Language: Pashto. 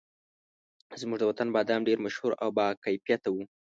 زموږ د وطن بادام ډېر مشهور او باکیفیته وو.